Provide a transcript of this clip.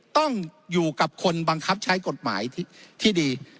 ต้องอยู่กับคนบังคับใช้กฎหมายที่ดี